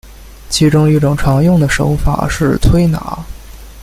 其中一种常用的手法是推拿。